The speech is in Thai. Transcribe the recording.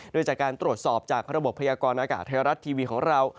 โดยจากการตรวจสอบจากระบบพยากรณากาศไทยรัฐทีวีของเรา